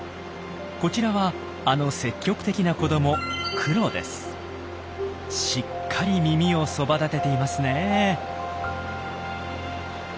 こちらはあの積極的な子どもしっかり耳をそばだてていますね。